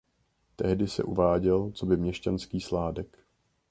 Tehdy se uváděl coby měšťanský sládek.